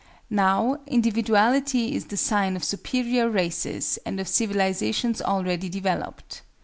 Now, individuality is the sign of superior races and of civilizations already developed.